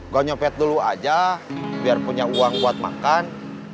gue nyopet dulu aja biar punya uang buat makan